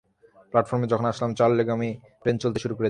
প্ল্যাটফর্মে যখন আসলাম, চার্লিগামী ট্রেন চলতে শুরু করেছে।